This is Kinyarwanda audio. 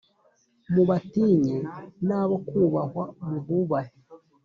Mubatinye n abo kubahwa mububahe